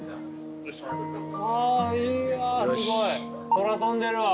空飛んでるわ。